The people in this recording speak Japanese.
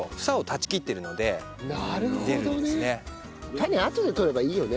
種あとで取ればいいよね。